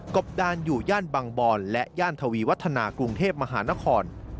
บดานอยู่ย่านบางบอนและย่านทวีวัฒนากรุงเทพมหานคร